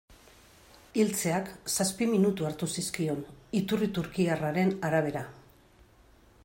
Hiltzeak zazpi minutu hartu zizkion, iturri turkiarraren arabera.